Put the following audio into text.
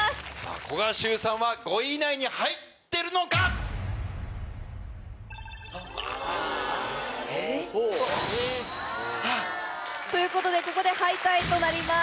古賀シュウさんは５位以内に入ってるのか？ということでここで敗退となります。